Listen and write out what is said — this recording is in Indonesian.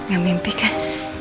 gak mimpi kan